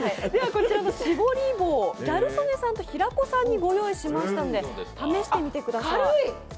こちらのしぼり棒、ギャル曽根さんと平子さんにご用意しまたので試してみてください。